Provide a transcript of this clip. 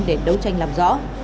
để đấu tranh làm rõ